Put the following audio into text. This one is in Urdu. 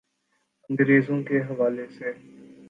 انگریزوں کے حوالے سے۔